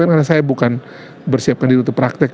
karena saya bukan bersiapkan diri untuk praktik